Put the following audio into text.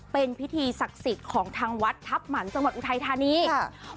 เป็นพิธีศักดิ์สิทธิ์ของทางวัดทัพหมันจังหวัดอุทัยธานีค่ะ